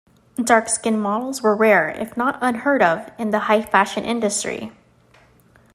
Dark-skinned models were rare, if not unheard of, in the high fashion industry.